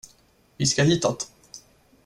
Vi ska hitåt.